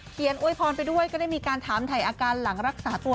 อวยพรไปด้วยก็ได้มีการถามถ่ายอาการหลังรักษาตัว